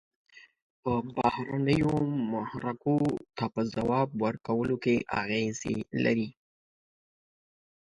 بهرنیو محرکو ته په ځواب ورکولو کې اغیزې لري.